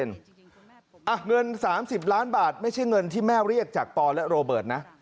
เงิน๓๐ล้านบาทไม่ใช่เงินที่แม่เรียกจากปอและโรเบิร์ตนะ